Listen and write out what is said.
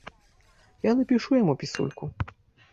Я напішу яму пісульку.